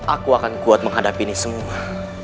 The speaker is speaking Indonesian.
aku akan kuat menghadapi ini semua